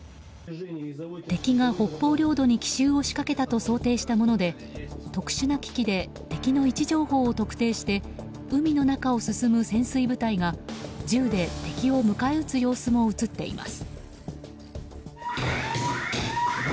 敵が北方領土に奇襲を仕掛けたと想定したもので特殊な機器で敵の位置情報を特定して海の中を進む潜水部隊が銃で敵を迎え撃つ様子も映っています。